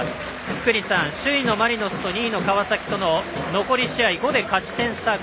福西さん、首位のマリノスと２位の川崎は残り試合５で、勝ち点差５。